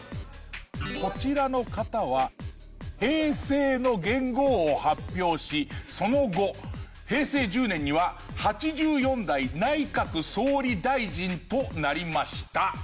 こちらの方は平成の元号を発表しその後平成１０年には８４代内閣総理大臣となりました。